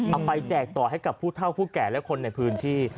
ไปแจกต่อให้กับผู้เท่าผู้แก่และคนในพื้นที่